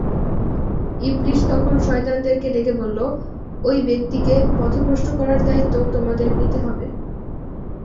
ইবলীস তখন শয়তানদেরকে ডেকে বলল, ঐ ব্যক্তিকে পথভ্রষ্ট করার দায়িত্ব তোমাদের নিতে হবে।